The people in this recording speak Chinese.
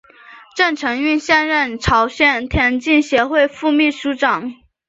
郑成玉现任朝鲜田径协会副秘书长。